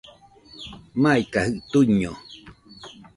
Maikajɨ tuiño